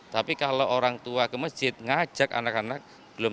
tapi kalau orang tua ke masjid ngajak anak anak belum tentu mau kan